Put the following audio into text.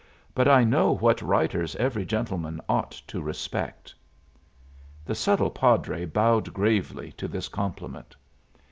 But I know what writers every gentleman ought to respect." The subtle padre bowed gravely to this compliment.